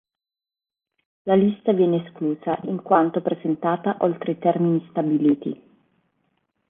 La lista viene esclusa in quanto presentata oltre i termini stabiliti.